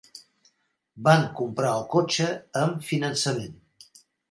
Van comprar el cotxe amb finançament.